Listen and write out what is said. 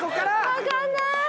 分かんない！